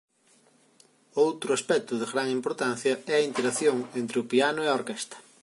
Outro aspecto de gran importancia é a interacción entre o piano e a orquestra.